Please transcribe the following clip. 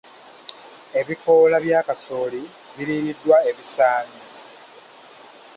Ebikoola bya kasooli biriiriddwa ebisaanyi.